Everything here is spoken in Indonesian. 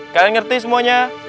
kalian ngerti semuanya